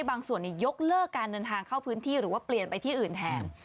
บางส่วนยกเลิกการเดินทางเข้าพื้นที่หรือว่าเปลี่ยนไปที่อื่นแทน